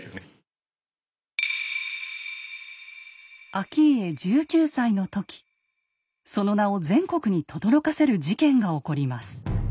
顕家１９歳の時その名を全国にとどろかせる事件が起こります。